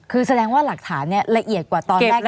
คือแสดงว่าหลักฐานเนี่ยละเอียดกว่าตอนแรกที่เรารู้